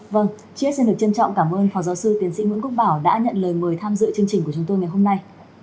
vâng trước hết xin được trân trọng cảm ơn phó giáo sư tiến sĩ nguyễn quốc bảo đã nhận lời mời tham dự chương trình của chúng tôi ngày hôm nay